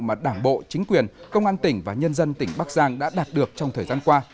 mà đảng bộ chính quyền công an tỉnh và nhân dân tỉnh bắc giang đã đạt được trong thời gian qua